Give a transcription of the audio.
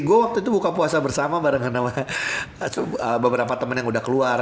gue waktu itu buka puasa bersama barengan sama beberapa temen yang udah keluar